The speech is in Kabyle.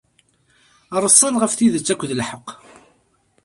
Reṣṣan ɣef tidet akked lḥeqq.